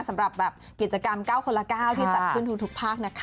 สำหรับกิจกรรม๙คนละ๙ที่จัดขึ้นทุกภาคนะคะ